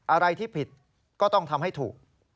อะไรที่ผิดก็ต้องทำให้ถูก